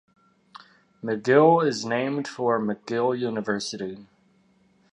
McGill is named for McGill University.